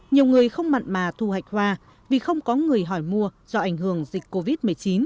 nhiều người không mặn mà thu hạch hoa vì không có người hỏi mua do ảnh hưởng dịch covid một mươi chín